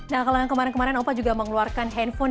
nah kalau yang kemarin kemarin opa juga mengeluarkan handphone